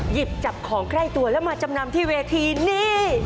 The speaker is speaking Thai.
หยิบจับของใกล้ตัวแล้วมาจำนำที่เวทีนี่